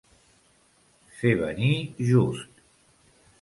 Fer venir just.